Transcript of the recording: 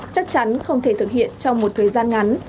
chắc chắn không thể thực hiện trong một thời gian ngắn